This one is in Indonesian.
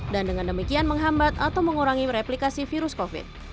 dan dengan demikian menghambat atau mengurangi replikasi virus covid